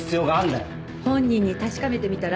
本人に確かめてみたら？